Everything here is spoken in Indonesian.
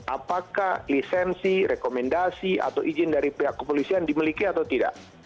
apakah lisensi rekomendasi atau izin dari pihak kepolisian dimiliki atau tidak